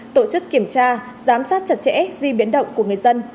tổ chức kiểm tra giám sát chặt chẽ di biến động của người dân